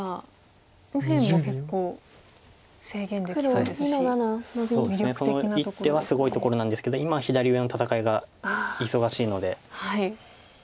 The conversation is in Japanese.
その一手はすごいところなんですけど今は左上の戦いが忙しいので。